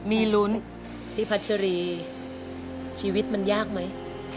มีลุ้นพี่พัชรีชีวิตมันยากไหม